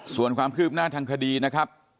ส่วนความคืบหน้าทางคดีนะครับ